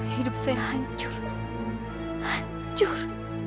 hidup saya hancur hancur